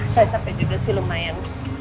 saya capek juga sih lumayan